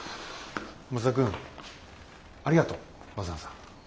松田君ありがとうわざわざ。